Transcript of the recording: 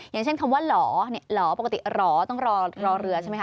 อย่างเช่นคำว่าหล่อหล่อปกติหล่อต้องรอเรือใช่ไหมค